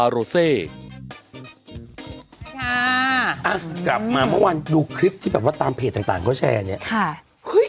กลับมาเมื่อวานดูคลิปที่แบบว่าตามเพจต่างเขาแชร์เนี่ย